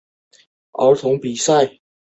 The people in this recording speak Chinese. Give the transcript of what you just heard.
摩拉于早年在干多足球会担任门将。